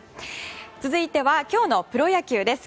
続いては今日のプロ野球です。